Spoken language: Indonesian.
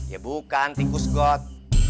ya bukan tikus got